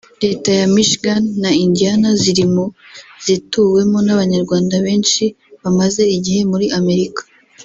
Leta ya Michigan na Indiana ziri mu zituwemo n’Abanyarwanda benshi bamaze igihe muri Amerika